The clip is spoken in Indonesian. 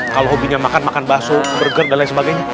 kalau hobinya makan makan bakso burger dan lain sebagainya